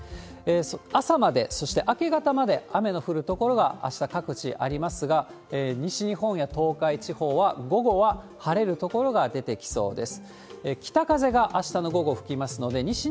朝まで、そして明け方まで雨の降る所が、あした各地ありますが、西日本や東海地方は、午後は晴れる所が出てきそうです。